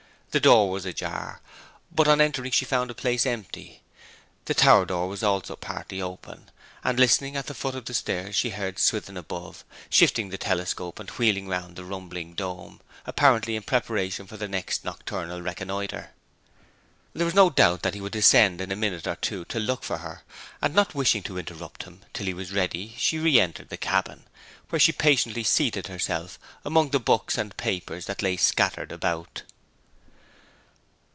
The door was ajar, but on entering she found the place empty. The tower door was also partly open; and listening at the foot of the stairs she heard Swithin above, shifting the telescope and wheeling round the rumbling dome, apparently in preparation for the next nocturnal reconnoitre. There was no doubt that he would descend in a minute or two to look for her, and not wishing to interrupt him till he was ready she re entered the cabin, where she patiently seated herself among the books and papers that lay scattered about.